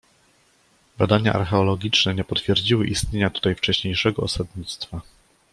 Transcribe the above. Badania archeologiczne nie potwierdziły istnienia tutaj wcześniejszego osadnictwa.